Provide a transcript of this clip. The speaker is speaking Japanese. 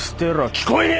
聞こえねえのか！